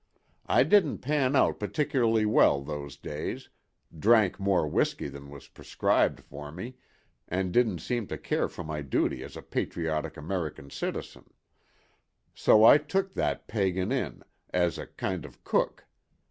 I didn't pan out particularly well those days—drank more whisky than was prescribed for me and didn't seem to care for my duty as a patriotic American citizen; so I took that pagan in, as a kind of cook.